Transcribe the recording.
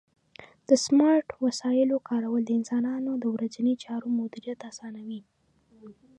د سمارټ وسایلو کارول د انسانانو د ورځنیو چارو مدیریت اسانوي.